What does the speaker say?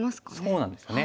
そうなんですよね。